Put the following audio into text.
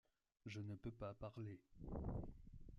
Je ne peux pas parler.